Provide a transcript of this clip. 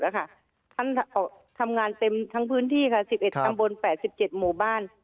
ท่านทำงานเต็มทั้งพื้นที่ค่ะ๑๑ตำบล๘๗หมู่บ้าน